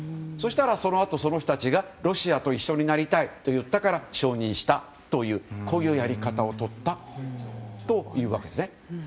そうしたら、そのあとその人たちがロシアと一緒になりたいと言ったから承認したというやり方をとったわけです。